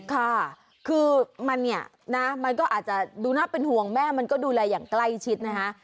ค่ะคือมันเนี่ยนะมันก็อาจจะดูน่าเป็นห่วงแม่มันก็ดูแลอย่างใกล้ชิดนะคะ